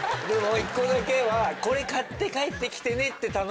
でも１個だけはこれ買って帰ってきてねって。